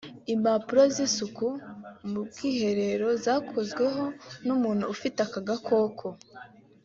impapuro z’isuku mu bwiherero zakozweho n’umuntu ufite aka gakoko